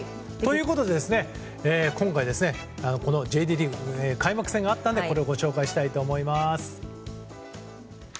ということで、今回このＪＤリーグの開幕戦があったのでご紹介したいと思います。